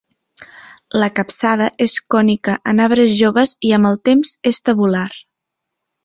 La capçada és cònica en arbres joves i amb el temps és tabular.